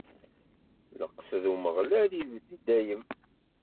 Leqsed n Umeɣlal ibedd i dayem.